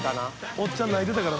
おっちゃん泣いてたから。